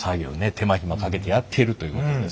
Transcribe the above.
手間暇かけてやっているということですよ。